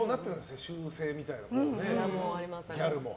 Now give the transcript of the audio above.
世襲制みたいなのね、ギャルも。